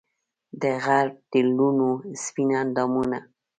دغرب د لوڼو سپین اندامونه